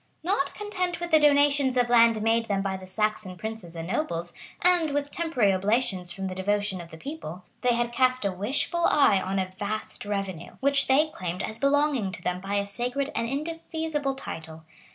Not content with the donations of land made them by the Saxon princes and nobles, and with temporary oblations from the devotion of the people, they had cast a wishful eye on a vast revenue, which they claimed as belonging to them by a sacred and indefeasible title.